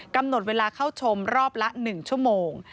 กำหนดเวลาเข้าชมรอบละ๑ชั่วโมง